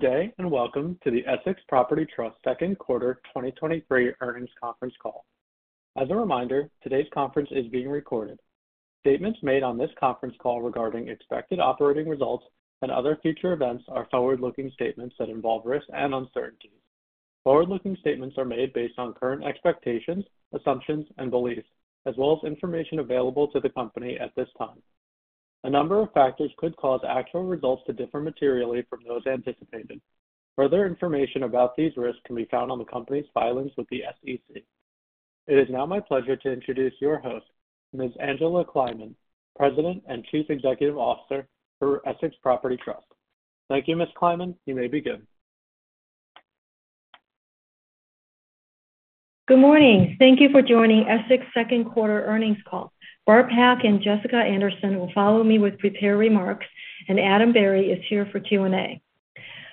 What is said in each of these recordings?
Good day, welcome to the Essex Property Trust second quarter 2023 earnings conference call. As a reminder, today's conference is being recorded. Statements made on this conference call regarding expected operating results and other future events are forward-looking statements that involve risks and uncertainties. Forward-looking statements are made based on current expectations, assumptions, and beliefs, as well as information available to the company at this time. A number of factors could cause actual results to differ materially from those anticipated. Further information about these risks can be found on the company's filings with the SEC. It is now my pleasure to introduce your host, Ms. Angela L. Kleiman, President and Chief Executive Officer for Essex Property Trust. Thank you, Ms. Kleiman. You may begin. Good morning. Thank you for joining Essex 2nd quarter earnings call. Barb Pak and Jessica Anderson will follow me with prepared remarks, and Adam Berry is here for Q&A.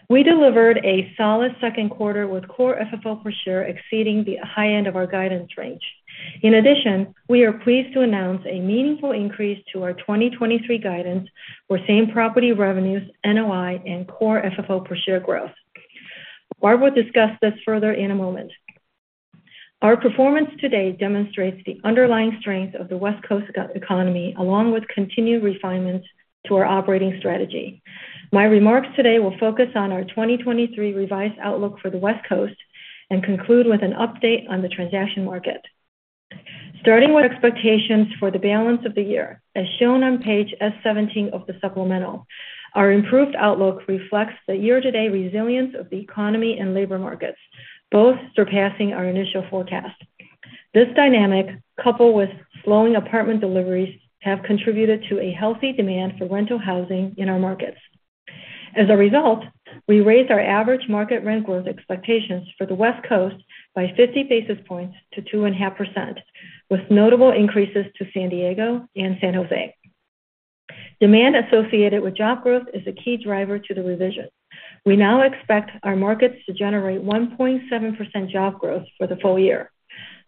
We delivered a solid 2nd quarter with core FFO per share exceeding the high end of our guidance range. In addition, we are pleased to announce a meaningful increase to our 2023 guidance for same-property revenues, NOI, and core FFO per share growth. Barb will discuss this further in a moment. Our performance today demonstrates the underlying strength of the West Coast economy, along with continued refinements to our operating strategy. My remarks today will focus on our 2023 revised outlook for the West Coast and conclude with an update on the transaction market. Starting with expectations for the balance of the year, as shown on page S17 of the supplemental, our improved outlook reflects the year-to-date resilience of the economy and labor markets, both surpassing our initial forecast. This dynamic, coupled with slowing apartment deliveries, have contributed to a healthy demand for rental housing in our markets. As a result, we raised our average market rent growth expectations for the West Coast by 50 basis points to 2.5%, with notable increases to San Diego and San Jose. Demand associated with job growth is a key driver to the revision. We now expect our markets to generate 1.7% job growth for the full year.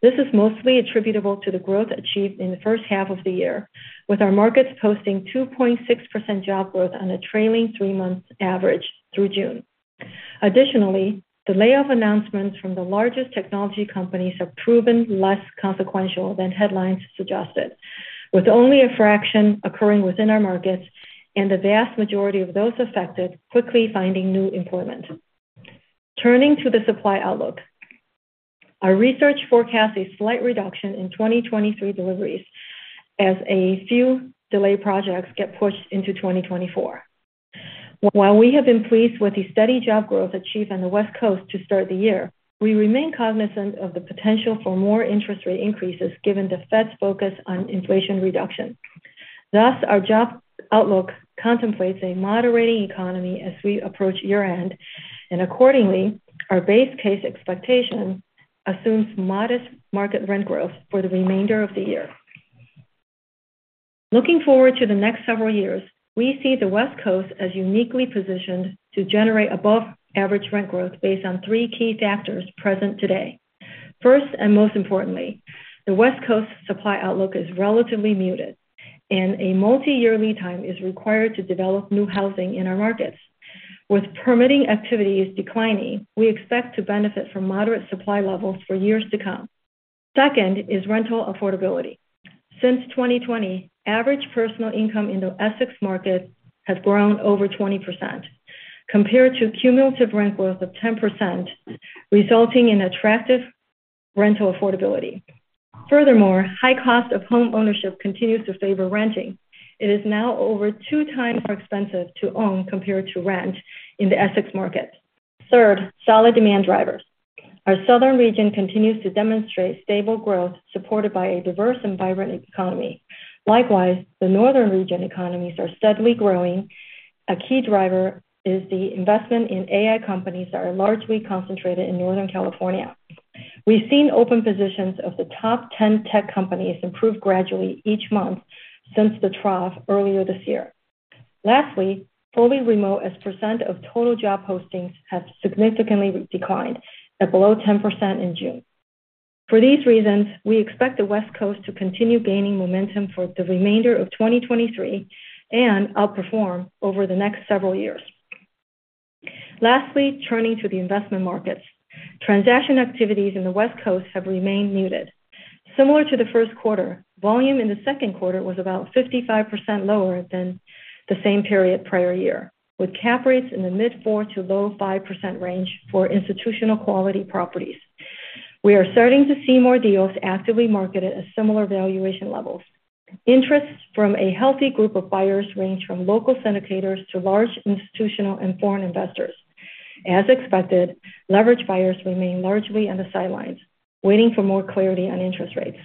This is mostly attributable to the growth achieved in the first half of the year, with our markets posting 2.6% job growth on a trailing 3-month average through June. Additionally, the layoff announcements from the largest technology companies have proven less consequential than headlines suggested, with only a fraction occurring within our markets and the vast majority of those affected quickly finding new employment. Turning to the supply outlook. Our research forecasts a slight reduction in 2023 deliveries as a few delayed projects get pushed into 2024. While we have been pleased with the steady job growth achieved on the West Coast to start the year, we remain cognizant of the potential for more interest rate increases, given the Fed's focus on inflation reduction. Thus, our job outlook contemplates a moderating economy as we approach year-end, and accordingly, our base case expectation assumes modest market rent growth for the remainder of the year. Looking forward to the next several years, we see the West Coast as uniquely positioned to generate above-average rent growth based on three key factors present today. First, and most importantly, the West Coast supply outlook is relatively muted, and a multi-year lead time is required to develop new housing in our markets. With permitting activities declining, we expect to benefit from moderate supply levels for years to come. Second is rental affordability. Since 2020, average personal income in the Essex market has grown over 20%, compared to cumulative rent growth of 10%, resulting in attractive rental affordability. Furthermore, high cost of homeownership continues to favor renting. It is now over 2x more expensive to own compared to rent in the Essex market. Third, solid demand drivers. Our southern region continues to demonstrate stable growth, supported by a diverse and vibrant economy. Likewise, the northern region economies are steadily growing. A key driver is the investment in AI companies that are largely concentrated in Northern California. We've seen open positions of the top 10 tech companies improve gradually each month since the trough earlier this year. Lastly, fully remote as percentage of total job postings have significantly declined at below 10% in June. For these reasons, we expect the West Coast to continue gaining momentum for the remainder of 2023 and outperform over the next several years. Lastly, turning to the investment markets. Transaction activities in the West Coast have remained muted. Similar to the first quarter, volume in the second quarter was about 55% lower than the same period prior year, with cap rates in the mid-4% to low 5% range for institutional quality properties. We are starting to see more deals actively marketed at similar valuation levels. Interests from a healthy group of buyers range from local syndicators to large institutional and foreign investors. As expected, leverage buyers remain largely on the sidelines, waiting for more clarity on interest rates.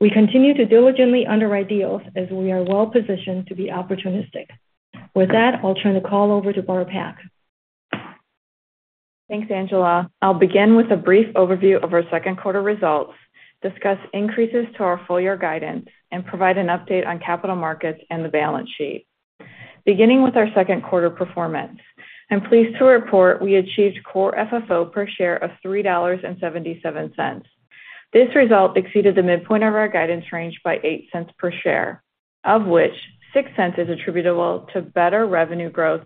We continue to diligently underwrite deals as we are well positioned to be opportunistic. With that, I'll turn the call over to Barb Pak. Thanks, Angela. I'll begin with a brief overview of our second quarter results, discuss increases to our full year guidance, and provide an update on capital markets and the balance sheet. Beginning with our second quarter performance, I'm pleased to report we achieved core FFO per share of $3.77. This result exceeded the midpoint of our guidance range by 0.08 per share, of which 0.06 is attributable to better revenue growth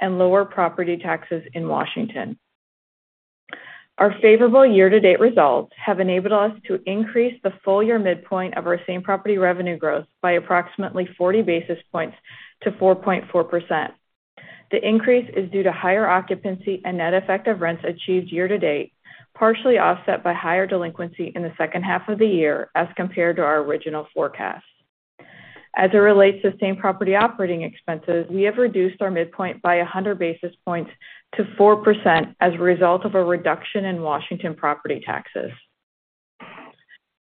and lower property taxes in Washington. Our favorable year-to-date results have enabled us to increase the full year midpoint of our same-property revenue growth by approximately 40 basis points to 4.4%. The increase is due to higher occupancy and net effective rents achieved year-to-date, partially offset by higher delinquency in the second half of the year as compared to our original forecast. As it relates to same-property operating expenses, we have reduced our midpoint by 100 basis points to 4% as a result of a reduction in Washington property taxes.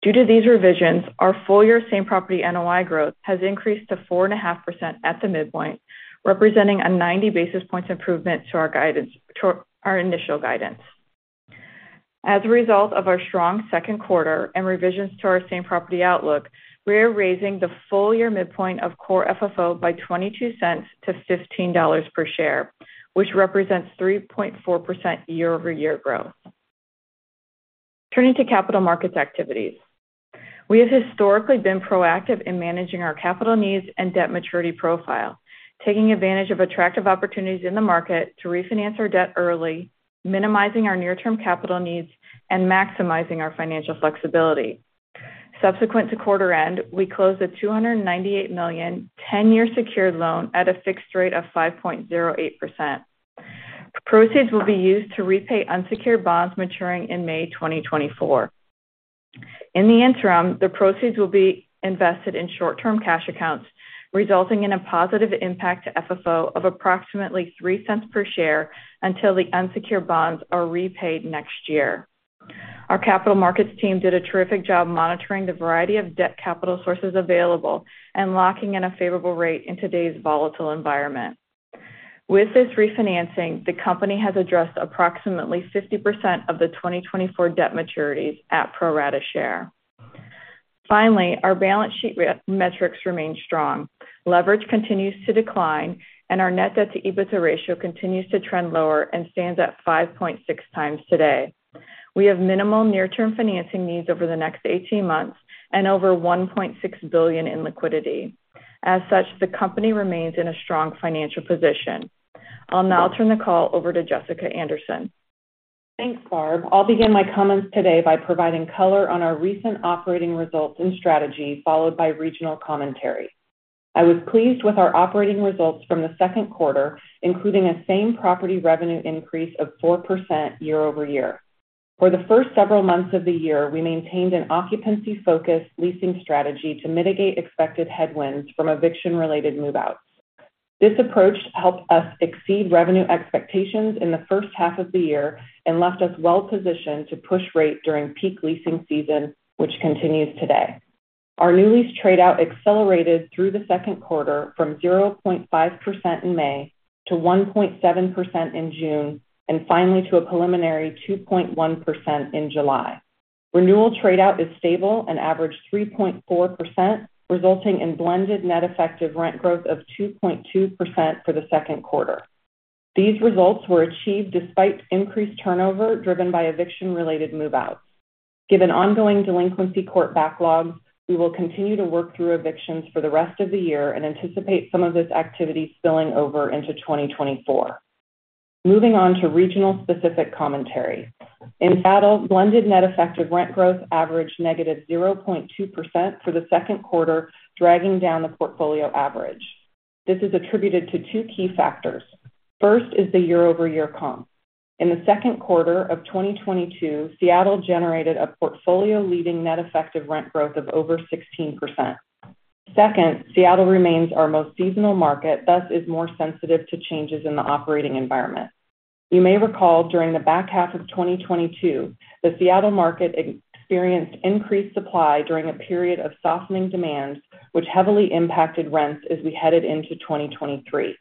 Due to these revisions, our full year same-property NOI growth has increased to 4.5% at the midpoint, representing a 90 basis points improvement to our guidance-- to our initial guidance. As a result of our strong second quarter and revisions to our same-property outlook, we are raising the full year midpoint of core FFO by 0.22 to $15 per share, which represents 3.4% year-over-year growth. Turning to capital markets activities. We have historically been proactive in managing our capital needs and debt maturity profile, taking advantage of attractive opportunities in the market to refinance our debt early, minimizing our near-term capital needs, and maximizing our financial flexibility. Subsequent to quarter end, we closed a 298 million, 10-year secured loan at a fixed rate of 5.08%. Proceeds will be used to repay unsecured bonds maturing in May 2024. In the interim, the proceeds will be invested in short-term cash accounts, resulting in a positive impact to FFO of approximately 0.03 per share until the unsecured bonds are repaid next year. Our capital markets team did a terrific job monitoring the variety of debt capital sources available and locking in a favorable rate in today's volatile environment. With this refinancing, the company has addressed approximately 50% of the 2024 debt maturities at pro rata share. Finally, our balance sheet metrics remain strong. Leverage continues to decline, and our net debt to EBITDA ratio continues to trend lower and stands at 5.6x today. We have minimal near-term financing needs over the next 18 months and over 1.6 billion in liquidity. As such, the company remains in a strong financial position. I'll now turn the call over to Jessica Anderson. Thanks, Barb. I'll begin my comments today by providing color on our recent operating results and strategy, followed by regional commentary. I was pleased with our operating results from the second quarter, including a same property revenue increase of 4% year-over-year. For the first several months of the year, we maintained an occupancy-focused leasing strategy to mitigate expected headwinds from eviction-related move-outs. This approach helped us exceed revenue expectations in the first half of the year and left us well positioned to push rate during peak leasing season, which continues today. Our new lease trade out accelerated through the second quarter from 0.5% in May to 1.7% in June, and finally to a preliminary 2.1% in July. Renewal trade-out is stable and averaged 3.4%, resulting in blended net effective rent growth of 2.2% for the second quarter. These results were achieved despite increased turnover, driven by eviction-related move-outs. Given ongoing delinquency court backlogs, we will continue to work through evictions for the rest of the year and anticipate some of this activity spilling over into 2024. Moving on to regional specific commentary. In Seattle, blended net effective rent growth averaged -0.2% for the second quarter, dragging down the portfolio average. This is attributed to two key factors. First is the year-over-year comp. In the second quarter of 2022, Seattle generated a portfolio-leading net effective rent growth of over 16%. Second, Seattle remains our most seasonal market, thus is more sensitive to changes in the operating environment. You may recall, during the back half of 2022, the Seattle market experienced increased supply during a period of softening demand, which heavily impacted rents as we headed into 2023.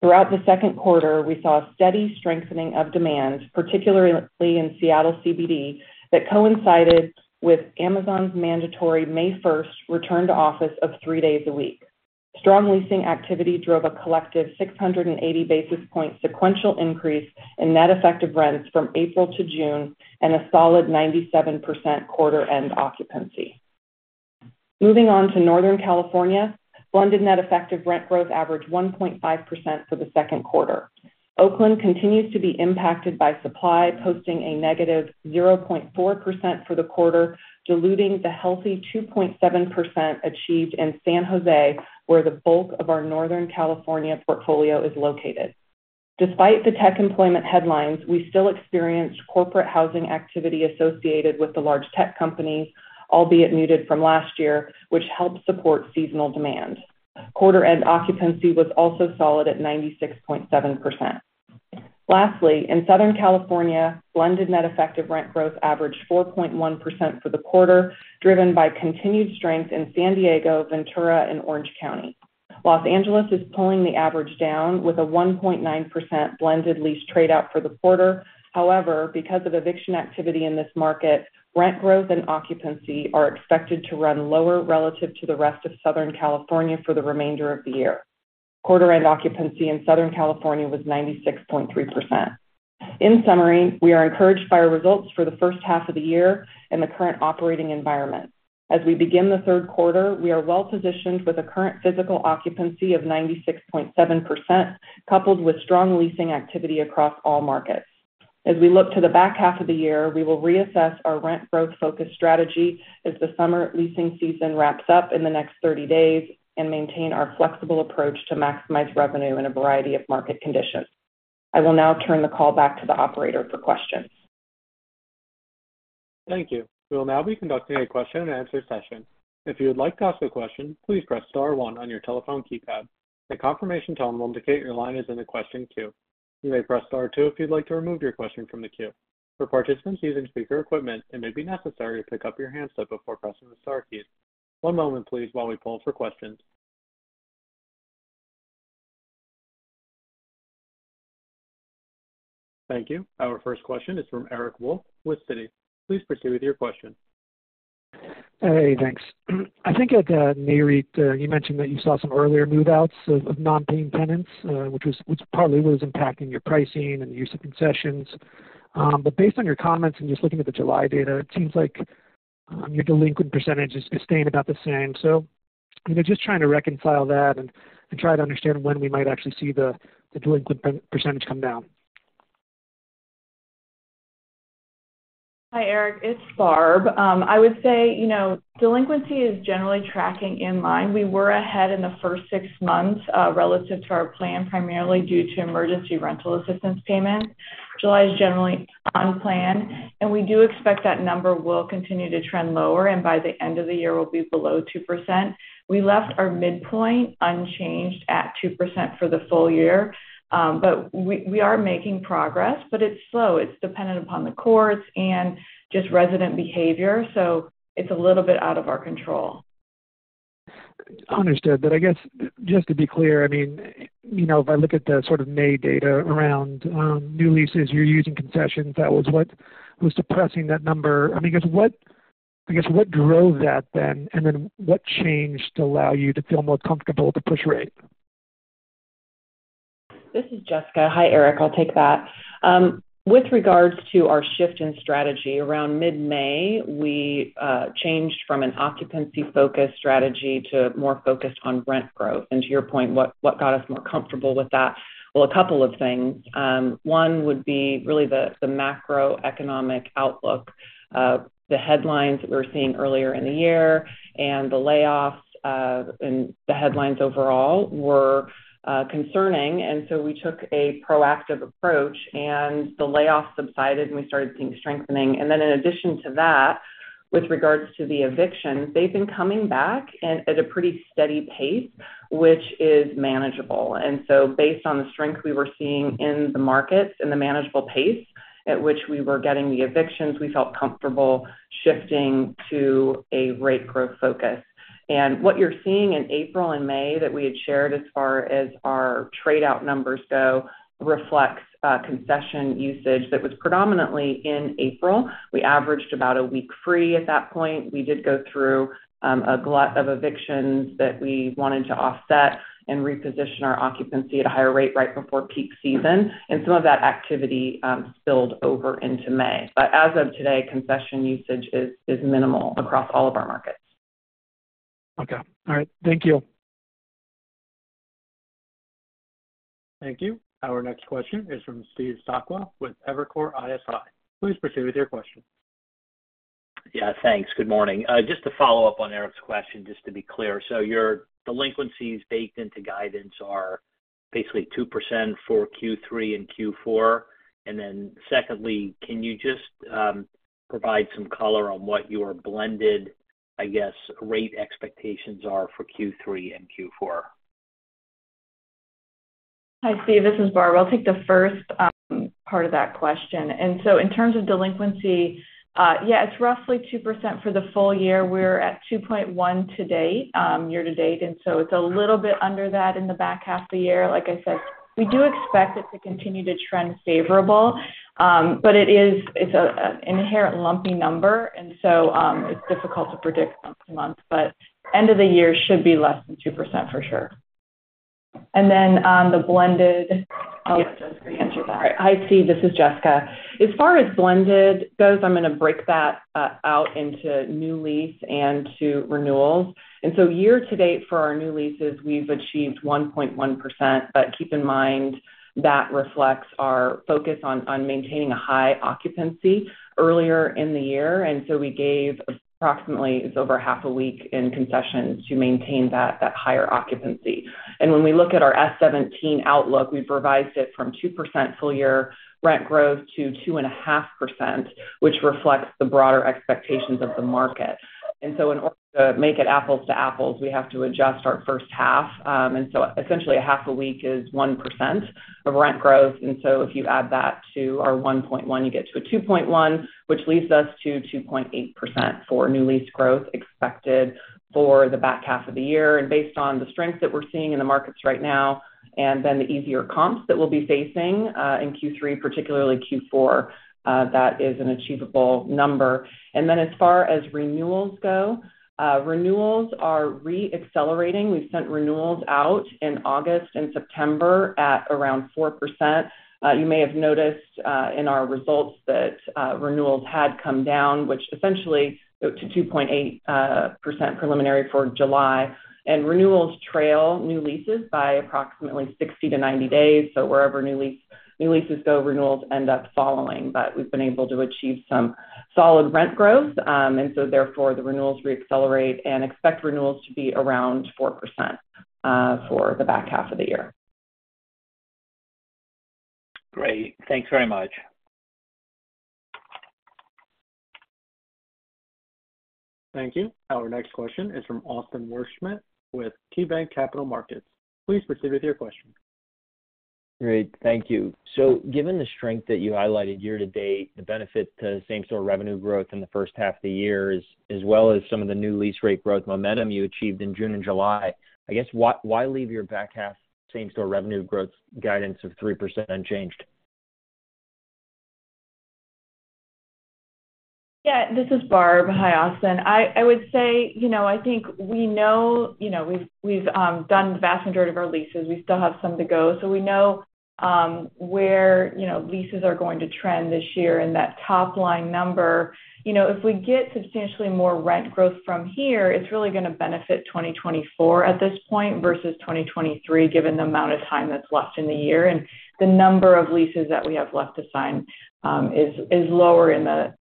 Throughout the second quarter, we saw a steady strengthening of demand, particularly in Seattle CBD, that coincided with Amazon's mandatory May 1st return to office of three days a week. Strong leasing activity drove a collective 680 basis point sequential increase in net effective rents from April to June and a solid 97% quarter-end occupancy. Moving on to Northern California. Blended net effective rent growth averaged 1.5% for the second quarter. Oakland continues to be impacted by supply, posting a negative 0.4% for the quarter, diluting the healthy 2.7% achieved in San Jose, where the bulk of our Northern California portfolio is located. Despite the tech employment headlines, we still experienced corporate housing activity associated with the large tech companies, albeit muted from last year, which helped support seasonal demand. Quarter-end occupancy was also solid at 96.7%. Lastly, in Southern California, blended net effective rent growth averaged 4.1% for the quarter, driven by continued strength in San Diego, Ventura, and Orange County. Los Angeles is pulling the average down with a 1.9% blended lease trade out for the quarter. Because of eviction activity in this market, rent growth and occupancy are expected to run lower relative to the rest of Southern California for the remainder of the year. Quarter-end occupancy in Southern California was 96.3%. In summary, we are encouraged by our results for the first half of the year and the current operating environment. As we begin the third quarter, we are well positioned with a current physical occupancy of 96.7%, coupled with strong leasing activity across all markets. As we look to the back half of the year, we will reassess our rent growth focused strategy as the summer leasing season wraps up in the next 30 days and maintain our flexible approach to maximize revenue in a variety of market conditions. I will now turn the call back to the operator for questions. Thank you. We will now be conducting a question-and-answer session. If you would like to ask a question, please press star one on your telephone keypad. A confirmation tone will indicate your line is in the question queue. You may press star two if you'd like to remove your question from the queue. For participants using speaker equipment, it may be necessary to pick up your handset before pressing the star key. One moment please, while we poll for questions. Thank you. Our first question is from Eric Wolfe with Citi. Please proceed with your question. Hey, thanks. I think at Nareit, you mentioned that you saw some earlier move-outs of, of non-paying tenants, which was, which partly was impacting your pricing and use of concessions. Based on your comments and just looking at the July data, it seems like your delinquent percentage is, is staying about the same. Just trying to reconcile that and, and try to understand when we might actually see the, the delinquent percentage come down. Hi, Eric, it's Barb. I would say, you know, delinquency is generally tracking in line. We were ahead in the first six months, relative to our plan, primarily due to emergency rental assistance payments. July is generally on plan, and we do expect that number will continue to trend lower, and by the end of the year will be below 2%. We left our midpoint unchanged at 2% for the full year. We, we are making progress, but it's slow. It's dependent upon the courts and just resident behavior, so it's a little bit out of our control. Understood. I guess, just to be clear, I mean, you know, if I look at the sort of May data around new leases, you're using concessions. That was what was suppressing that number. I mean, I guess, what, I guess, what drove that then? Then what changed to allow you to feel more comfortable with the push rate? This is Jessica. Hi, Eric. I'll take that. With regards to our shift in strategy, around mid-May, we changed from an occupancy-focused strategy to more focused on rent growth. To your point, what, what got us more comfortable with that? Well, a couple of things. One would be really the, the macroeconomic outlook. The headlines that we were seeing earlier in the year and the layoffs, and the headlines overall were concerning. So we took a proactive approach, and the layoffs subsided, and we started seeing strengthening. In addition to that, with regards to the evictions, they've been coming back at a pretty steady pace, which is manageable. Based on the strength we were seeing in the markets and the manageable pace at which we were getting the evictions, we felt comfortable shifting to a rate growth focus. What you're seeing in April and May that we had shared as far as our trade out numbers go, reflects concession usage that was predominantly in April. We averaged about a week free at that point. We did go through a glut of evictions that we wanted to offset and reposition our occupancy at a higher rate right before peak season, and some of that activity spilled over into May. As of today, concession usage is minimal across all of our markets. Okay. All right. Thank you. Thank you. Our next question is from Steve Sakwa with Evercore ISI. Please proceed with your question. Yeah, thanks. Good morning. Just to follow up on Eric's question, just to be clear. Your delinquencies baked into guidance are basically 2% for Q3 and Q4. Secondly, can you just provide some color on what your blended, I guess, rate expectations are for Q3 and Q4? Hi, Steve, this is Barb. I'll take the first part of that question. In terms of delinquency, yeah, it's roughly 2% for the full year. We're at 2.1 to date, year to date, it's a little bit under that in the back half of the year. Like I said, we do expect it to continue to trend favorable, but it is, it's a, an inherent lumpy number, and so it's difficult to predict month to month, but end of the year should be less than 2% for sure. On the blended, I'll let Jessica answer that. Hi, Steve, this is Jessica. As far as blended goes, I'm going to break that out into new lease and to renewals. Year-to-date for our new leases, we've achieved 1.1%, but keep in mind, that reflects our focus on maintaining a high occupancy earlier in the year. We gave approximately over 0.5 week in concessions to maintain that higher occupancy. When we look at our S17 outlook, we've revised it from 2% full year rent growth to 2.5%, which reflects the broader expectations of the market. In order to make it apples to apples, we have to adjust our first half. Essentially, 0.5 week is 1% of rent growth. So if you add that to our 1.1, you get to a 2.1, which leads us to 2.8% for new lease growth expected for the back half of the year. Based on the strength that we're seeing in the markets right now, the easier comps that we'll be facing in Q3, particularly Q4, that is an achievable number. As far as renewals go, renewals are reaccelerating. We sent renewals out in August and September at around 4%. You may have noticed in our results that renewals had come down, which essentially to 2.8% preliminary for July. Renewals trail new leases by approximately 60-90 days. Wherever new leases go, renewals end up following. We've been able to achieve some solid rent growth, therefore, the renewals reaccelerate and expect renewals to be around 4% for the back half of the year. Great. Thanks very much. Thank you. Our next question is from Austin Wurschmidt with KeyBanc Capital Markets. Please proceed with your question. Great, thank you. Given the strength that you highlighted year to date, the benefit to same-store revenue growth in the first half of the year, as well as some of the new lease rate growth momentum you achieved in June and July, I guess why, why leave your back half same-store revenue growth guidance of 3% unchanged? Yeah, this is Barb. Hi, Austin. I would say, you know, I think we know. You know, we've done the vast majority of our leases. We still have some to go. We know where, you know, leases are going to trend this year. That top-line number, you know, if we get substantially more rent growth from here, it's really going to benefit 2024 at this point versus 2023, given the amount of time that's left in the year. The number of leases that we have left to sign is lower in the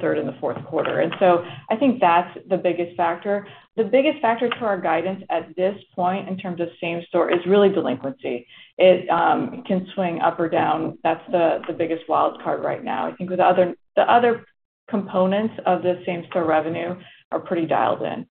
third and the fourth quarter. I think that's the biggest factor. The biggest factor to our guidance at this point, in terms of same store, is really delinquency. It can swing up or down. That's the biggest wild card right now. I think the other, the other components of the same-store revenue are pretty dialed in.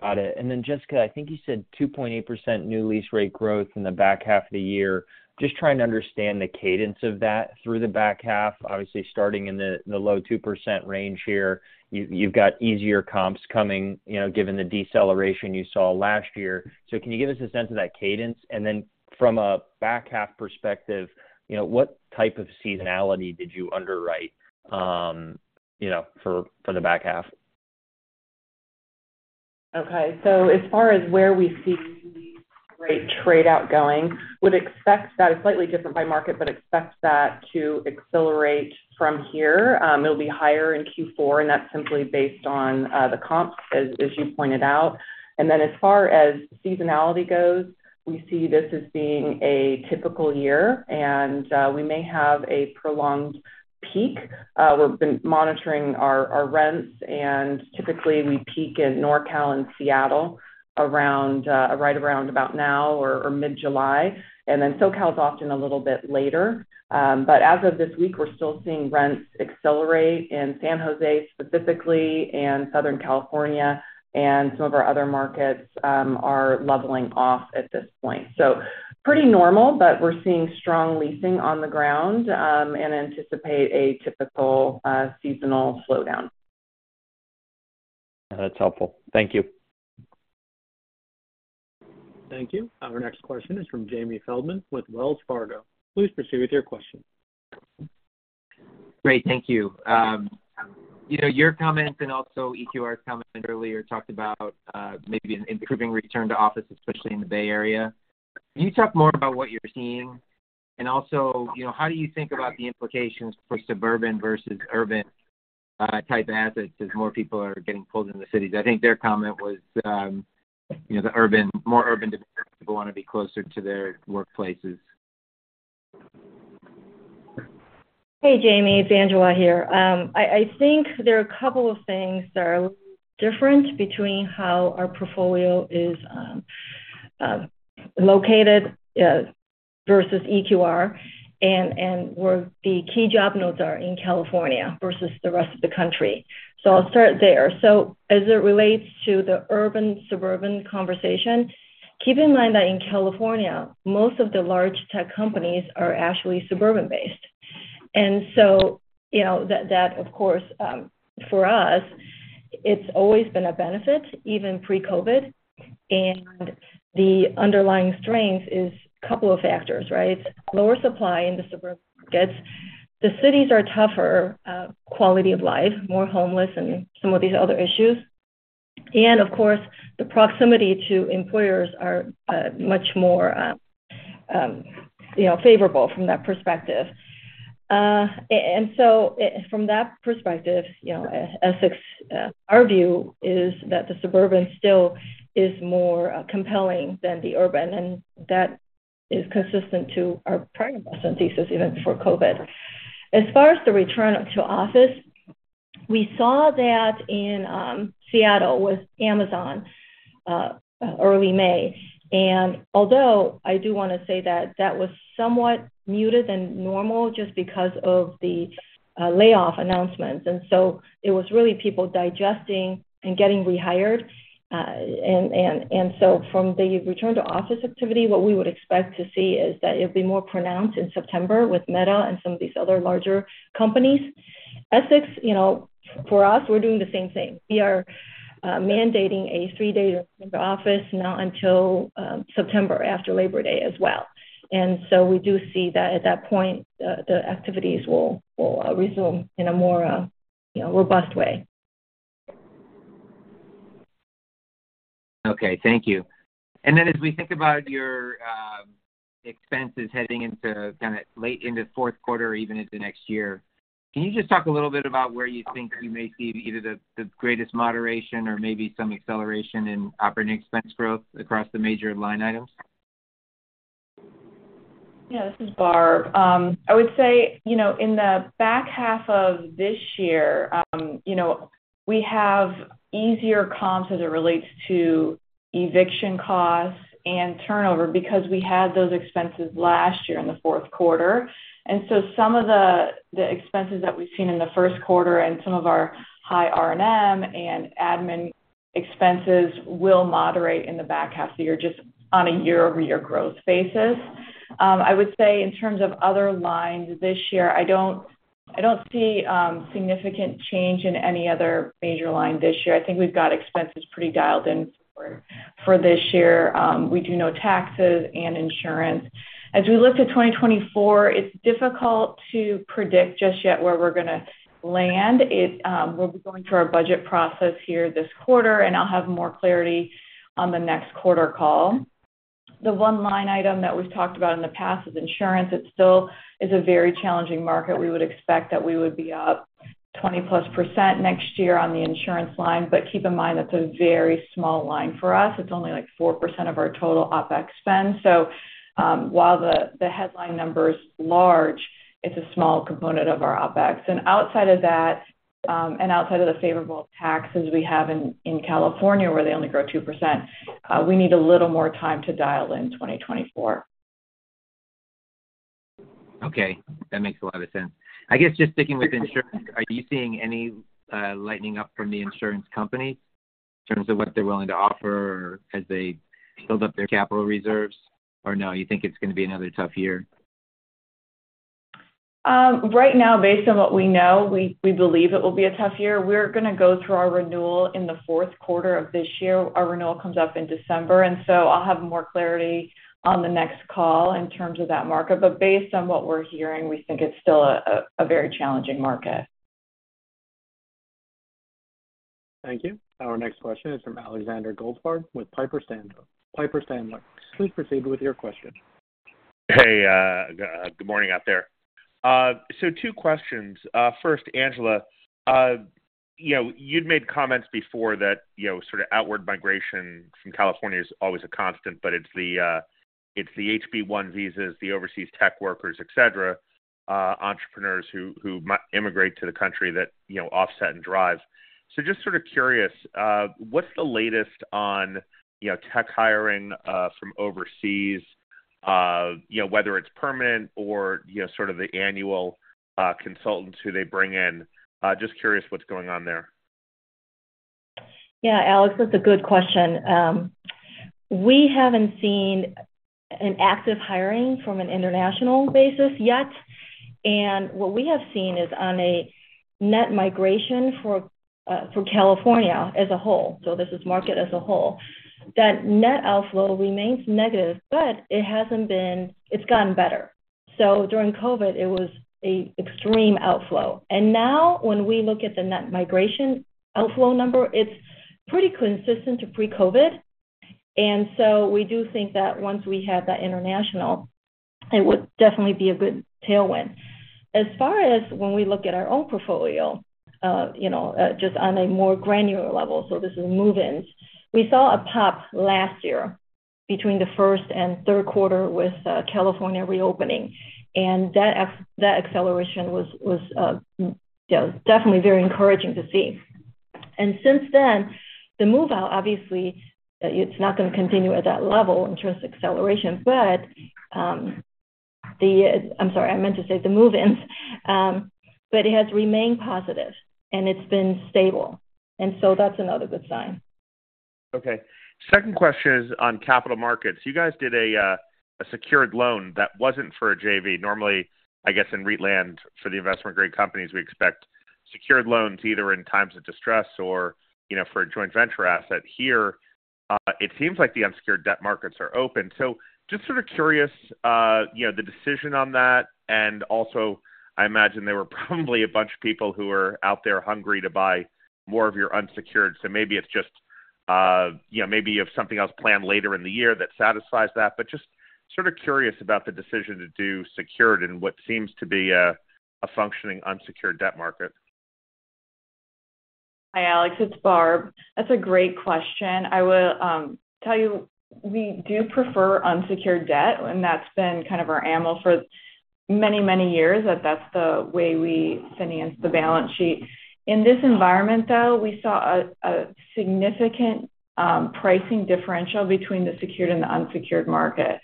Got it. Then, Jessica, I think you said 2.8% new lease rate growth in the back half of the year. Just trying to understand the cadence of that through the back half, obviously starting in the, the low 2% range here. You, you've got easier comps coming, you know, given the deceleration you saw last year. Can you give us a sense of that cadence? Then from a back half perspective, you know, what type of seasonality did you underwrite, you know, for, for the back half? Okay. As far as where we see the great trade-out going, would expect that it's slightly different by market, but expect that to accelerate from here. It'll be higher in Q4, and that's simply based on the comps, as, as you pointed out. As far as seasonality goes, we see this as being a typical year, and we may have a prolonged peak. We've been monitoring our, our rents, and typically we peak in NorCal and Seattle around right around about now or mid-July, and then SoCal is often a little bit later. As of this week, we're still seeing rents accelerate in San Jose, specifically, and Southern California, and some of our other markets are leveling off at this point. Pretty normal, but we're seeing strong leasing on the ground, and anticipate a typical seasonal slowdown. That's helpful. Thank you. Thank you. Our next question is from Jamie Feldman with Wells Fargo. Please proceed with your question. Great, thank you. you know, your comments and also EQR's comment earlier talked about, maybe an improving return to office, especially in the Bay Area. Can you talk more about what you're seeing? Also, you know, how do you think about the implications for suburban versus urban, type assets as more people are getting pulled in the cities? I think their comment was, you know, the more urban people want to be closer to their workplaces. Hey, Jamie, it's Angela here. I, I think there are a couple of things that are different between how our portfolio is located versus EQR, and where the key job nodes are in California versus the rest of the country. I'll start there. As it relates to the urban/suburban conversation, keep in mind that in California, most of the large tech companies are actually suburban-based. You know, that, that, of course, for us, it's always been a benefit, even pre-COVID. The underlying strength is a couple of factors, right? Lower supply in the suburban markets. The cities are tougher, quality of life, more homeless, and some of these other issues. Of course, the proximity to employers are much more, you know, favorable from that perspective. So from that perspective, you know, at Essex, our view is that the suburban still is more compelling than the urban, and that is consistent to our prior investment thesis, even before COVID. As far as the return to office, we saw that in Seattle with Amazon early May. Although I do want to say that that was somewhat muted than normal, just because of the layoff announcements, and so it was really people digesting and getting rehired. So from the return to office activity, what we would expect to see is that it'll be more pronounced in September with Meta and some of these other larger companies. Essex, you know, for us, we're doing the same thing. We are mandating a three-day return to office, not until September, after Labor Day as well. So we do see that at that point, the, the activities will, will resume in a more, you know, robust way. Okay, thank you. Then as we think about your expenses heading into late into fourth quarter or even into next year, can you just talk a little bit about where you think you may see either the greatest moderation or maybe some acceleration in operating expense growth across the major line items? Yeah, this is Barb. I would say, you know, in the back half of this year, you know, we have easier comps as it relates to eviction costs and turnover because we had those expenses last year in the fourth quarter. So some of the, the expenses that we've seen in the first quarter and some of our high R&M and admin expenses will moderate in the back half of the year, just on a year-over-year growth basis. I would say in terms of other lines this year, I don't, I don't see significant change in any other major line this year. I think we've got expenses pretty dialed in for, for this year. We do know taxes and insurance. As we look to 2024, it's difficult to predict just yet where we're gonna land. It. We'll be going through our budget process here this quarter. I'll have more clarity on the next quarter call. The one line item that we've talked about in the past is insurance. It still is a very challenging market. We would expect that we would be up 20%+ next year on the insurance line. Keep in mind, that's a very small line for us. It's only, like, 4% of our total OpEx spend. While the headline number is large, it's a small component of our OpEx. Outside of that, and outside of the favorable taxes we have in California, where they only grow 2%, we need a little more time to dial in 2024. Okay, that makes a lot of sense. I guess just sticking with insurance, are you seeing any lightening up from the insurance companies in terms of what they're willing to offer as they build up their capital reserves? Or no, you think it's gonna be another tough year? Right now, based on what we know, we, we believe it will be a tough year. We're gonna go through our renewal in the fourth quarter of this year. Our renewal comes up in December. I'll have more clarity on the next call in terms of that market. Based on what we're hearing, we think it's still a, a very challenging market. Thank you. Our next question is from Alexander Goldfarb with Piper Sandler. Please proceed with your question. Hey, good morning out there. Two questions. First, Angela, you know, you'd made comments before that, you know, sort of outward migration from California is always a constant, but it's the H-1B visas, the overseas tech workers, et cetera, entrepreneurs who immigrate to the country that, you know, offset and drive. Just sort of curious, what's the latest on, you know, tech hiring from overseas? You know, whether it's permanent or, you know, sort of the annual consultants who they bring in. Just curious what's going on there. Yeah, Alex, that's a good question. What we have seen is on a net migration for California as a whole, so this is market as a whole, that net outflow remains negative, but it hasn't been. It's gotten better. During COVID, it was an extreme outflow. Now, when we look at the net migration outflow number, it's pretty consistent to pre-COVID. We do think that once we have that international, it would definitely be a good tailwind. As far as when we look at our own portfolio, you know, just on a more granular level, so this is move-ins. We saw a pop last year between the 1st and 3rd quarter with, California reopening, and that acceleration was, you know, definitely very encouraging to see. Since then, the move-out, obviously, it's not gonna continue at that level in terms of acceleration, but, I'm sorry, I meant to say the move-ins. It has remained positive, and it's been stable, and so that's another good sign. Okay. Second question is on capital markets. You guys did a secured loan that wasn't for a JV. Normally, I guess in REIT land, for the investment-grade companies, we expect secured loans either in times of distress or, you know, for a joint venture asset. Here, it seems like the unsecured debt markets are open. Just sort of curious, you know, the decision on that. Also, I imagine there were probably a bunch of people who are out there hungry to buy more of your unsecured. Maybe it's just, you know, maybe you have something else planned later in the year that satisfies that. Just sort of curious about the decision to do secured in what seems to be a functioning unsecured debt market. Hi, Alex. It's Barb. That's a great question. I will tell you, we do prefer unsecured debt, and that's been kind of our ammo for many, many years, that that's the way we finance the balance sheet. In this environment, though, we saw a significant pricing differential between the secured and the unsecured market.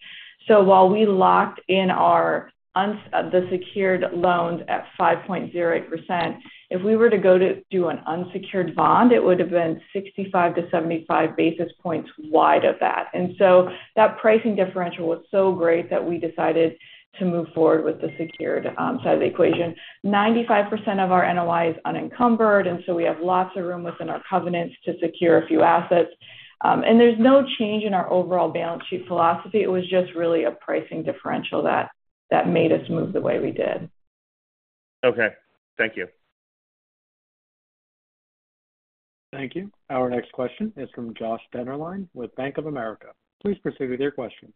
So while we locked in our uns-- the secured loans at 5.0%, if we were to go to do an unsecured bond, it would've been 65-75 basis points wide of that. So that pricing differential was so great that we decided to move forward with the secured side of the equation. 95% of our NOI is unencumbered, so we have lots of room within our covenants to secure a few assets. There's no change in our overall balance sheet philosophy. It was just really a pricing differential that, that made us move the way we did. Okay. Thank you. Thank you. Our next question is from Josh Dennerlein with Bank of America. Please proceed with your question.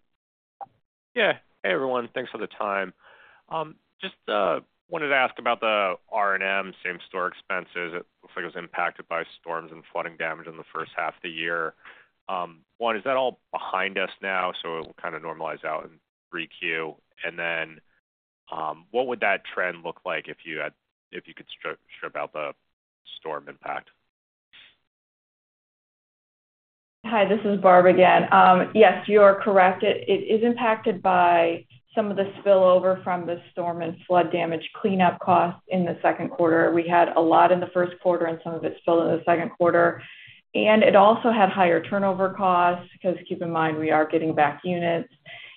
Yeah. Hey, everyone. Thanks for the time. Just wanted to ask about the R&M same-store expenses. It looks like it was impacted by storms and flooding damage in the first half of the year. One, is that all behind us now, so it will kind of normalize out in 3Q? Then, what would that trend look like if you had-- if you could strip, strip out the storm impact? Hi, this is Barb again. Yes, you are correct. It, it is impacted by some of the spillover from the storm and flood damage cleanup costs in the second quarter. We had a lot in the first quarter, and some of it spilled into the second quarter. It also had higher turnover costs because keep in mind, we are getting back units.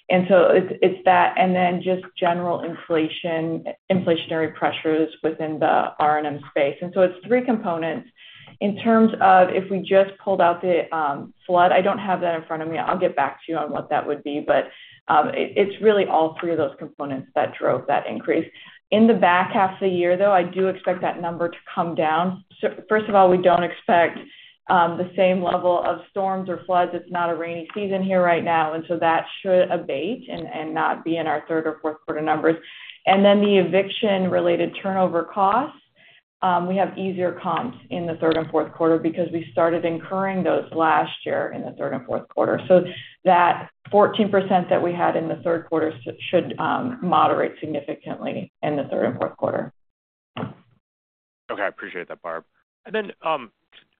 It's, it's that, and then just general inflation, inflationary pressures within the R&M space. It's three components. In terms of if we just pulled out the flood, I don't have that in front of me. I'll get back to you on what that would be, but it's really all three of those components that drove that increase. In the back half of the year, though, I do expect that number to come down. First of all, we don't expect the same level of storms or floods. It's not a rainy season here right now, that should abate and not be in our third or fourth quarter numbers. The eviction-related turnover costs, we have easier comps in the third and fourth quarter because we started incurring those last year in the third and fourth quarter. That 14% that we had in the third quarter should moderate significantly in the third and fourth quarter. Okay, I appreciate that, Barb. Can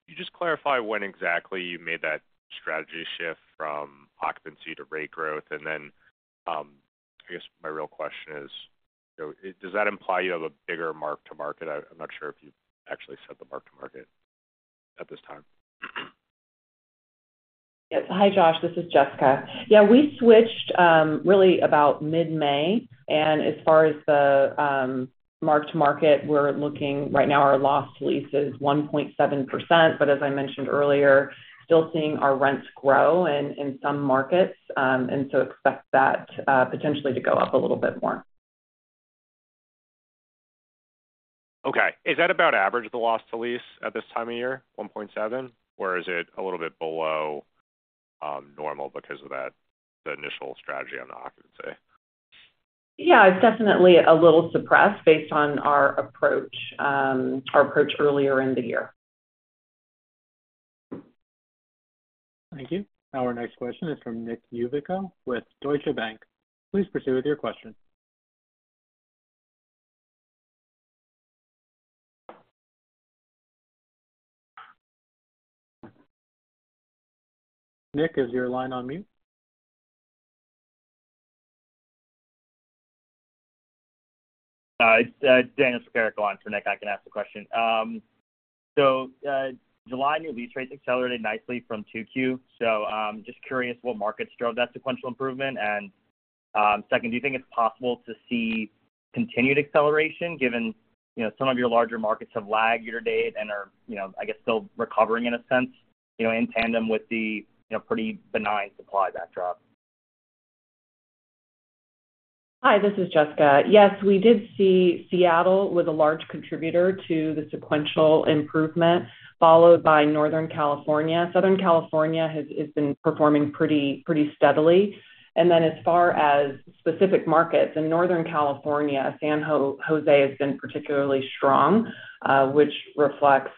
you just clarify when exactly you made that strategy shift from occupancy to rate growth? I guess my real question is, does that imply you have a bigger mark-to-market? I, I'm not sure if you actually set the mark-to-market at this time. Yes. Hi, Josh, this is Jessica. Yeah, we switched, really about mid-May. As far as the mark-to-market, we're looking. Right now, our loss to lease is 1.7%. As I mentioned earlier, still seeing our rents grow in, in some markets. Expect that potentially to go up a little bit more. Okay. Is that about average, the loss to lease at this time of year, 1.7, or is it a little bit below normal because of that, the initial strategy on the occupancy? Yeah, it's definitely a little suppressed based on our approach, our approach earlier in the year. Thank you. Our next question is from Nick Yulico with Deutsche Bank. Please proceed with your question. Nick, is your line on mute? It's Derek Johnston on for Nick. I can ask the question. July, new lease rates accelerated nicely from 2Q. Just curious what markets drove that sequential improvement? Second, do you think it's possible to see continued acceleration, given, you know, some of your larger markets have lagged year to date and are, you know, I guess, still recovering in a sense, you know, in tandem with the, you know, pretty benign supply backdrop? Hi, this is Jessica. Yes, we did see Seattle was a large contributor to the sequential improvement, followed by Northern California. Southern California has, has been performing pretty, pretty steadily. In Northern California, San Jose has been particularly strong, which reflects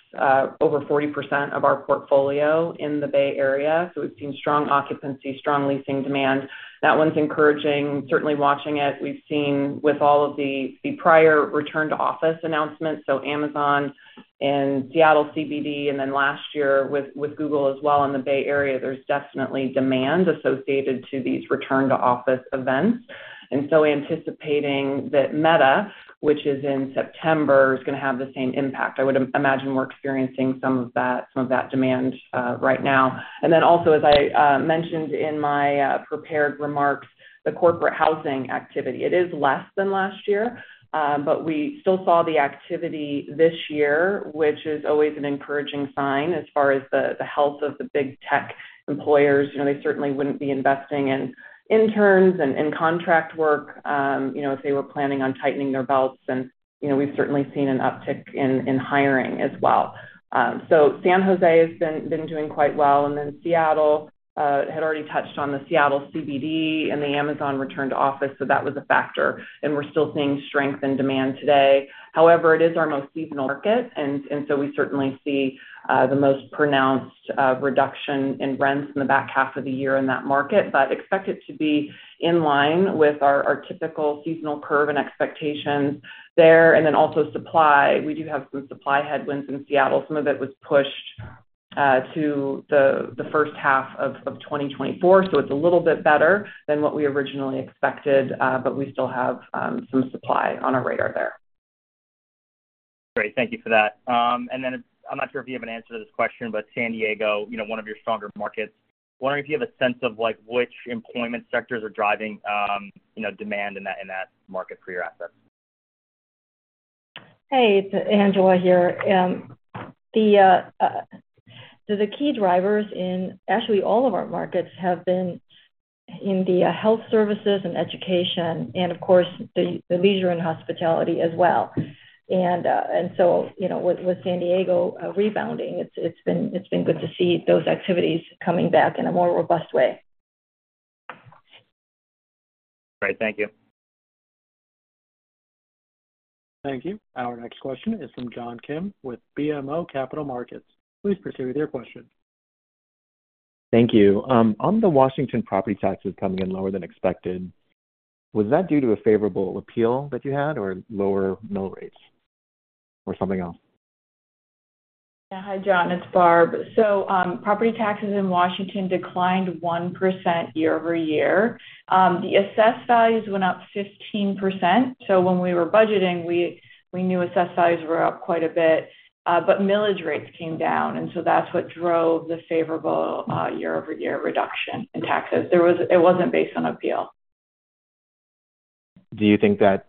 over 40% of our portfolio in the Bay Area. We've seen strong occupancy, strong leasing demand. That one's encouraging. Certainly watching it, we've seen with all of the, the prior return to office announcements, so Amazon and Seattle CBD, and then last year with, with Google as well in the Bay Area, there's definitely demand associated to these return-to-office events. Anticipating that Meta, which is in September, is gonna have the same impact, I would imagine we're experiencing some of that, some of that demand right now. Also, as I mentioned in my prepared remarks, the corporate housing activity. It is less than last year, but we still saw the activity this year, which is always an encouraging sign as far as the health of the big tech employers. You know, they certainly wouldn't be investing in interns and in contract work, you know, if they were planning on tightening their belts. You know, we've certainly seen an uptick in hiring as well. San Jose has been doing quite well. Seattle had already touched on the Seattle CBD and the Amazon return to office, so that was a factor, and we're still seeing strength and demand today. However, it is our most seasonal market, and, and so we certainly see, the most pronounced, reduction in rents in the back half of the year in that market. Expect it to be in line with our, our typical seasonal curve and expectations there. Also supply. We do have some supply headwinds in Seattle. Some of it was pushed, to the, the first half of, of 2024, so it's a little bit better than what we originally expected, but we still have, some supply on our radar there. Great. Thank you for that. Then I'm not sure if you have an answer to this question, but San Diego, you know, one of your stronger markets, wondering if you have a sense of like, which employment sectors are driving, you know, demand in that, in that market for your assets? Hey, it's Angela here. The key drivers in actually all of our markets have been in the health services and education and of course, the, the leisure and hospitality as well. You know, with, with San Diego rebounding, it's, it's been, it's been good to see those activities coming back in a more robust way. Great. Thank you. Thank you. Our next question is from John Kim with BMO Capital Markets. Please proceed with your question. Thank you. On the Washington property taxes coming in lower than expected, was that due to a favorable appeal that you had or lower mill rates or something else? Yeah. Hi, John, it's Barb. Property taxes in Washington declined 1% year-over-year. The assessed values went up 15%. When we were budgeting, we, we knew assessed values were up quite a bit, but millage rates came down, and so that's what drove the favorable year-over-year reduction in taxes. It wasn't based on appeal. Do you think that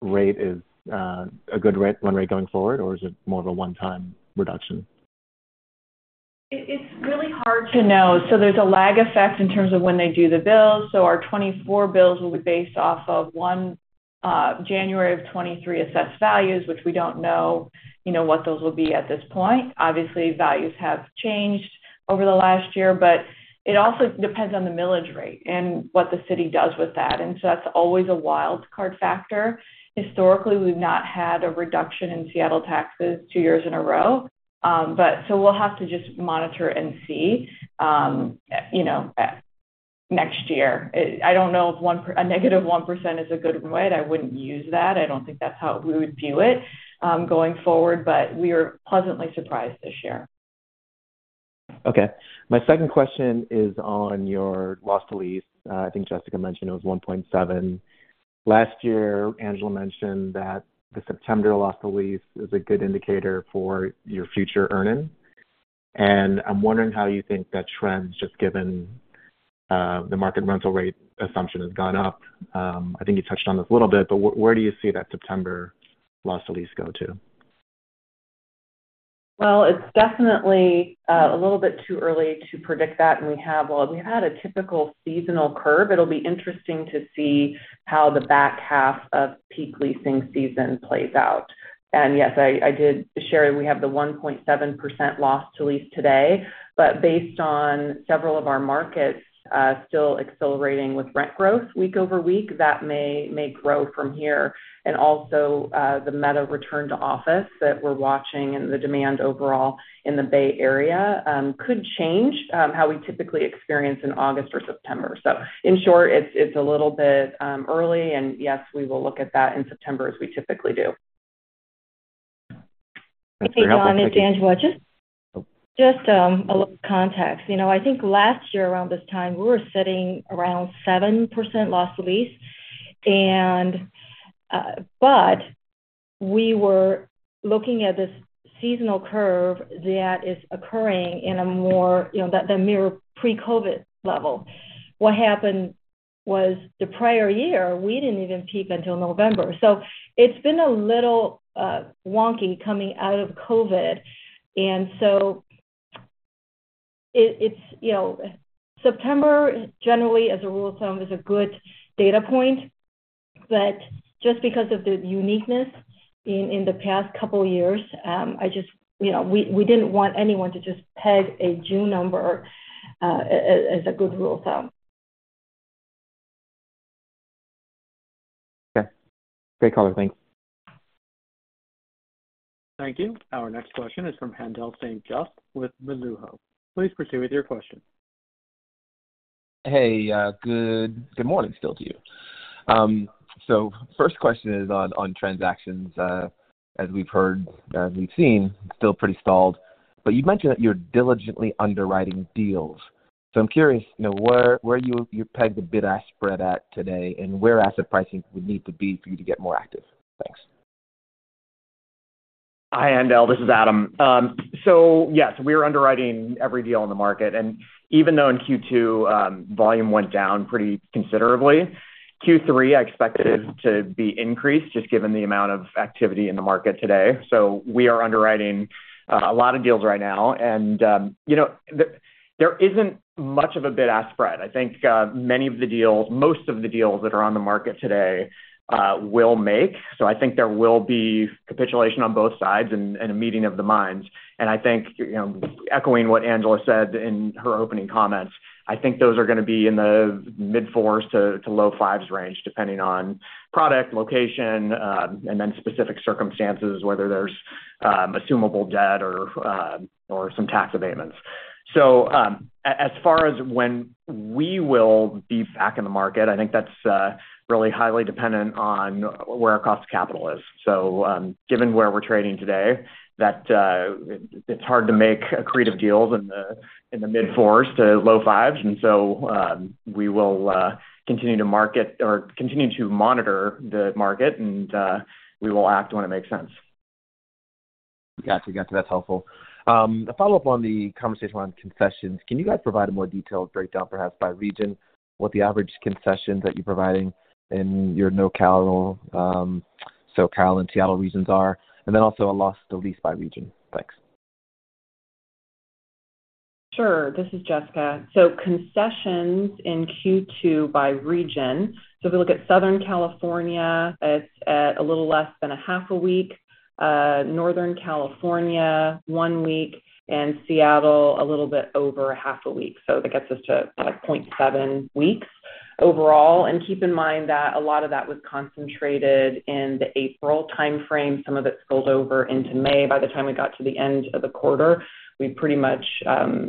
rate is, a good rate, one rate going forward, or is it more of a one-time reduction? It's really hard to know. There's a lag effect in terms of when they do the bills. Our 24 bills will be based off of one, January of 2023 assessed values, which we don't know, you know, what those will be at this point. Obviously, values have changed over the last year, it also depends on the millage rate and what the city does with that, that's always a wild card factor. Historically, we've not had a reduction in Seattle taxes two years in a row, we'll have to just monitor and see, you know, next year. I don't know if a negative 1% is a good way. I wouldn't use that. I don't think that's how we would view it, going forward, but we are pleasantly surprised this year. Okay. My second question is on your loss to lease. I think Jessica mentioned it was 1.7%. Last year, Angela mentioned that the September loss to lease is a good indicator for your future earnings. I'm wondering how you think that trend, just given the market rental rate assumption, has gone up. I think you touched on this a little bit, where do you see that September loss to lease go to? It's definitely a little bit too early to predict that, we had a typical seasonal curve. It'll be interesting to see how the back half of peak leasing season plays out. Yes, I, I did share we have the 1.7% loss to lease today, but based on several of our markets, still accelerating with rent growth week over week, that may, may grow from here. Also, the Meta return to office that we're watching and the demand overall in the Bay Area could change how we typically experience in August or September. In short, it's, it's a little bit early, and yes, we will look at that in September, as we typically do. Thanks for your help. Hey, John, it's Angela. Just a little context. You know, I think last year around this time, we were sitting around 7% loss to lease, and, but we were looking at this seasonal curve that is occurring in a more, you know, the mere pre-COVID level. What happened was, the prior year, we didn't even peak until November. It's been a little wonky coming out of COVID, and so it's, you know. September, generally, as a rule of thumb, is a good data point, but just because of the uniqueness in the past couple of years, I just, you know, we didn't want anyone to just peg a June number as a good rule of thumb. Okay. Great color. Thanks. Thank you. Our next question is from Haendel St. Juste with BMO. Please proceed with your question. Hey, good. Good morning still to you. First question is on, on transactions, as we've heard, as we've seen, still pretty stalled, but you mentioned that you're diligently underwriting deals. I'm curious, you know, where, where you, you peg the bid-ask spread at today and where asset pricing would need to be for you to get more active? Thanks. Hi, Haendel, this is Adam. Yes, we're underwriting every deal on the market, and even though in Q2, volume went down pretty considerably, Q3, I expect it to be increased, just given the amount of activity in the market today. We are underwriting a lot of deals right now, and, you know, there isn't much of a bid-ask spread. I think many of the deals, most of the deals that are on the market today, will make. I think there will be capitulation on both sides and a meeting of the minds. I think, you know, echoing what Angela said in her opening comments, I think those are gonna be in the mid-4s to low-5s range, depending on product, location, and then specific circumstances, whether there's assumable debt or some tax abatements. As far as when we will be back in the market, I think that's really highly dependent on where our cost of capital is. Given where we're trading today, that it's hard to make accretive deals in the mid-4s to low-5s, we will continue to market or continue to monitor the market, we will act when it makes sense. Gotcha. Gotcha. That's helpful. A follow-up on the conversation around concessions. Can you guys provide a more detailed breakdown, perhaps by region, what the average concessions that you're providing in your NorCal, SoCal and Seattle regions are, and then also a loss to lease by region? Thanks. Sure. This is Jessica. Concessions in Q2 by region. If we look at Southern California, it's at a little less than 0.5 week, Northern California, one week, and Seattle, a little bit over 0.5 week. That gets us to, like, 0.7 weeks overall. Keep in mind that a lot of that was concentrated in the April time frame. Some of it spilled over into May. By the time we got to the end of the quarter, we pretty much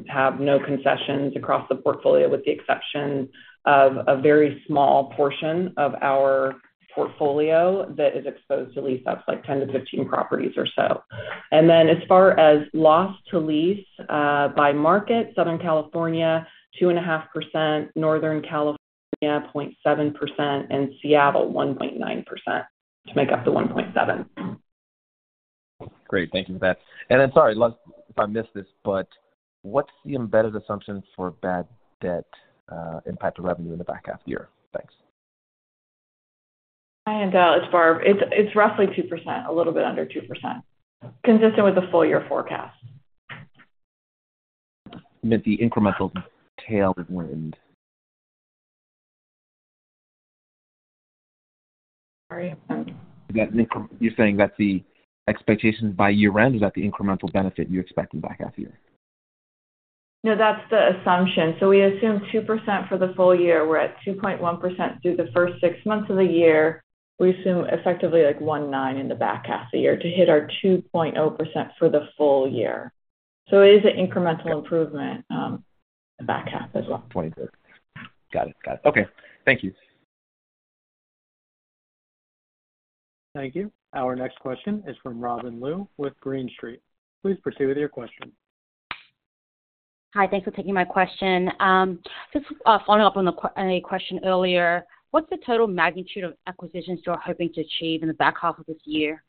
have no concessions across the portfolio, with the exception of a very small portion of our portfolio that is exposed to lease. That's like 10-15 properties or so. Then as far as loss to lease, by market, Southern California, 2.5%, Northern California, 0.7%, and Seattle, 1.9%, to make up the 1.7. Great. Thank you for that. Then, sorry if I missed this, but what's the embedded assumption for bad debt impact to revenue in the back half of the year? Thanks. Hi, and, it's Barb. It's, it's roughly 2%, a little bit under 2%, consistent with the full year forecast. That the incremental tailwind? Sorry? You're saying that the expectations by year-end, is that the incremental benefit you expect in the back half of the year? No, that's the assumption. We assume 2% for the full year. We're at 2.1% through the first 6 months of the year. We assume effectively 1.9% in the back half of the year to hit our 2.0% for the full year. It is an incremental improvement, the back half as well. Point two. Got it. Got it. Okay. Thank you. Thank you. Our next question is from Robin Lu with Green Street. Please proceed with your question. Hi, thanks for taking my question. Just following up on a question earlier, what's the total magnitude of acquisitions you are hoping to achieve in the back half of this year?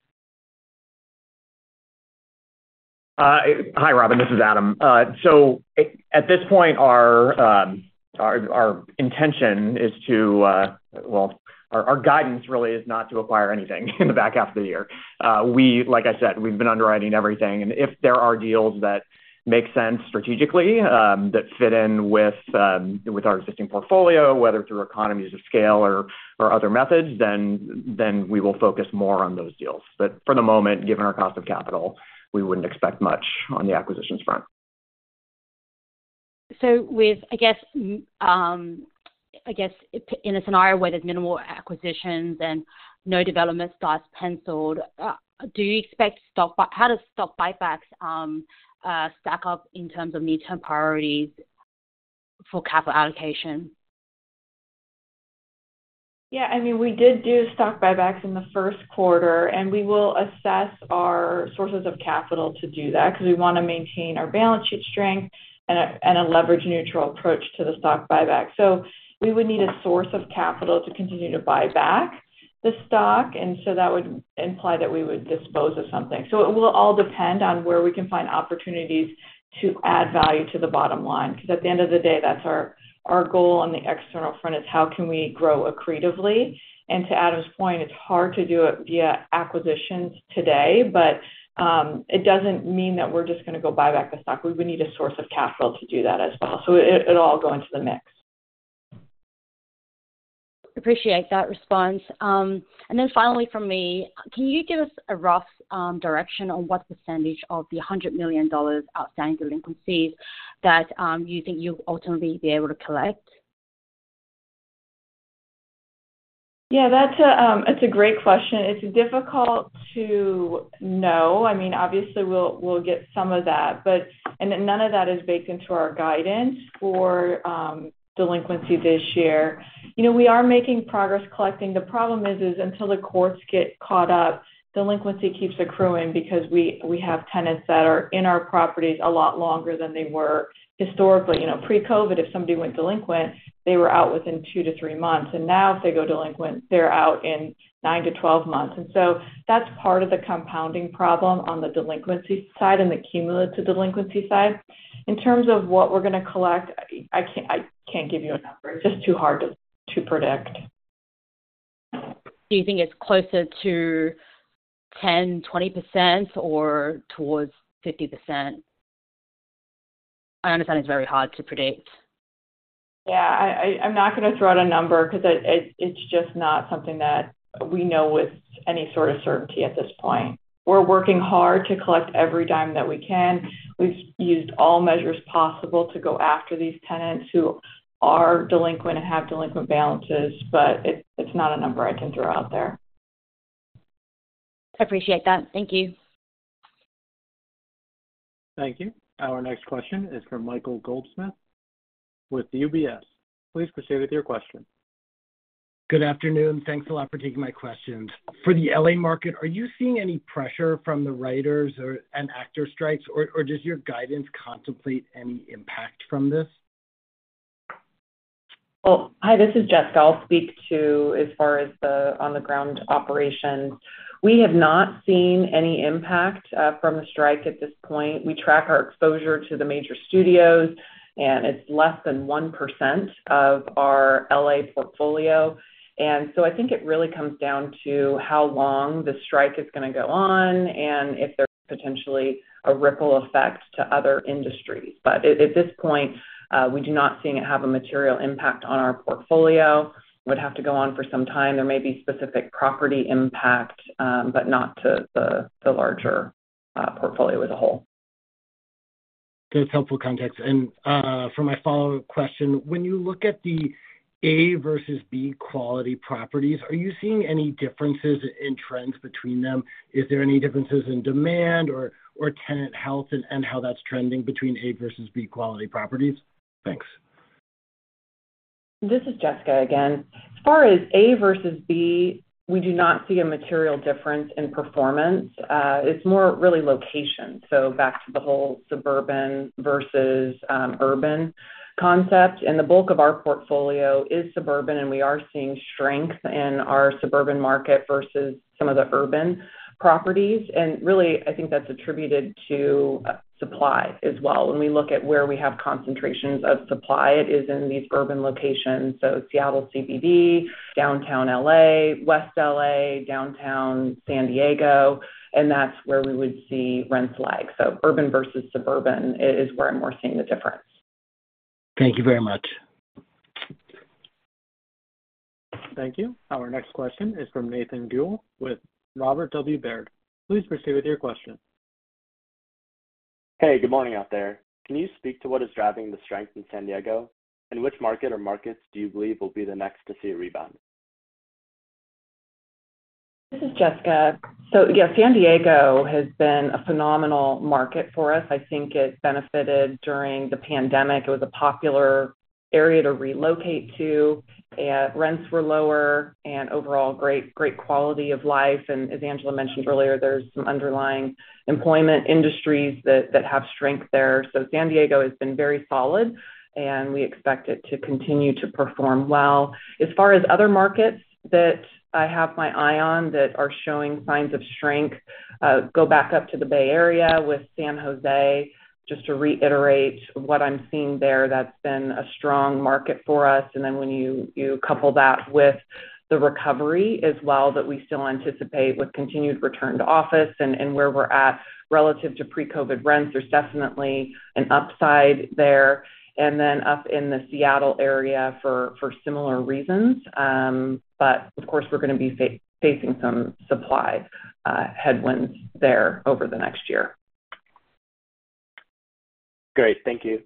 Hi, Robin, this is Adam. At this point, our intention is to. Well, our, our guidance really is not to acquire anything in the back half of the year. Like I said, we've been underwriting everything, and if there are deals that make sense strategically, that fit in with our existing portfolio, whether through economies of scale or, or other methods, then we will focus more on those deals. For the moment, given our cost of capital, we wouldn't expect much on the acquisitions front. With, I guess, I guess in a scenario where there's minimal acquisitions and no development starts penciled, do you expect stock How does stock buybacks stack up in terms of near-term priorities for capital allocation? Yeah, I mean, we did do stock buybacks in the first quarter. We will assess our sources of capital to do that, because we want to maintain our balance sheet strength and a leverage-neutral approach to the stock buyback. We would need a source of capital to continue to buy back the stock. That would imply that we would dispose of something. It will all depend on where we can find opportunities to add value to the bottom line, because at the end of the day, that's our goal on the external front, is how can we grow accretively? To Adam's point, it's hard to do it via acquisitions today. It doesn't mean that we're just going to go buy back the stock. We would need a source of capital to do that as well. It'll all go into the mix. Appreciate that response. Then finally from me, can you give us a rough direction on what perentage of the $100 million outstanding delinquencies that you think you'll ultimately be able to collect? Yeah, that's a, it's a great question. It's difficult to know. I mean, obviously, we'll, we'll get some of that, but. None of that is baked into our guidance for delinquency this year. You know, we are making progress collecting. The problem is, is until the courts get caught up, delinquency keeps accruing because we, we have tenants that are in our properties a lot longer than they were historically. You know, pre-COVID, if somebody went delinquent, they were out within two-three months, and now if they go delinquent, they're out in nine-12 months. So that's part of the compounding problem on the delinquency side and the cumulative delinquency side. In terms of what we're going to collect, I can't give you a number. It's just too hard to, to predict. Do you think it's closer to 10, 20% or towards 50%? I understand it's very hard to predict. Yeah, I, I, I'm not going to throw out a number because it, it, it's just not something that we know with any sort of certainty at this point. We're working hard to collect every dime that we can. We've used all measures possible to go after these tenants who are delinquent and have delinquent balances, but it's, it's not a number I can throw out there. I appreciate that. Thank you. Thank you. Our next question is from Michael Goldsmith with UBS. Please proceed with your question. Good afternoon. Thanks a lot for taking my questions. For the L.A. market, are you seeing any pressure from the writers or, and actor strikes, or does your guidance contemplate any impact from this? Well, hi, this is Jessica. I'll speak to as far as the on-the-ground operations. We have not seen any impact from the strike at this point. We track our exposure to the major studios, it's less than 1% of our L.A. portfolio. I think it really comes down to how long the strike is gonna go on and if there's potentially a ripple effect to other industries. At, at this point, we do not seeing it have a material impact on our portfolio. Would have to go on for some time. There may be specific property impact, but not to the, the larger portfolio as a whole. That's helpful context. For my follow-up question, when you look at the A versus B quality properties, are you seeing any differences in trends between them? Is there any differences in demand or, or tenant health and, and how that's trending between A versus B quality properties? Thanks. This is Jessica again. As far as A versus B, we do not see a material difference in performance. It's more really location. Back to the whole suburban versus urban concept. The bulk of our portfolio is suburban, and we are seeing strength in our suburban market versus some of the urban properties. Really, I think that's attributed to supply as well. When we look at where we have concentrations of supply, it is in these urban locations, so Seattle CBD, Downtown LA, West LA, Downtown San Diego, and that's where we would see rents lag. Urban versus suburban i-is where we're seeing the difference. Thank you very much. Thank you. Our next question is from Nathaniel Gould with Robert W. Baird. Please proceed with your question. Hey, good morning out there. Can you speak to what is driving the strength in San Diego, and which market or markets do you believe will be the next to see a rebound? This is Jessica. Yeah, San Diego has been a phenomenal market for us. I think it benefited during the pandemic. It was a popular area to relocate to, rents were lower, and overall, great, great quality of life. As Angela mentioned earlier, there's some underlying employment industries that, that have strength there. San Diego has been very solid, and we expect it to continue to perform well. As far as other markets that I have my eye on that are showing signs of strength, go back up to the Bay Area with San Jose, just to reiterate what I'm seeing there, that's been a strong market for us. Then when you, you couple that with the recovery as well, that we still anticipate with continued return to office and, and where we're at relative to pre-COVID rents, there's definitely an upside there, and then up in the Seattle area for, for similar reasons. Of course, we're gonna be facing some supply, headwinds there over the next year. Great. Thank you.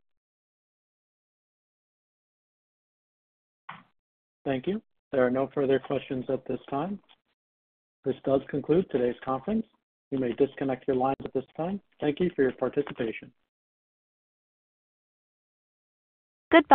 Thank you. There are no further questions at this time. This does conclude today's conference. You may disconnect your lines at this time. Thank you for your participation. Goodbye.